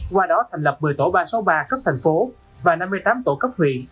qua đó thành lập một mươi tổ ba trăm sáu mươi ba cấp thành phố và năm mươi tám tổ cấp huyện